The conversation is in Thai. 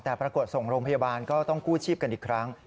แต่ปรากฏส่งโรงพยาบาลก็ต้องกู้ชีพกันอีกครั้ง